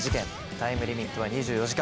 タイムリミットは２４時間。